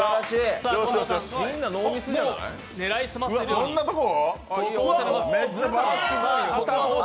そんなとこ？